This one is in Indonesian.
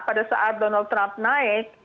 pada saat donald trump naik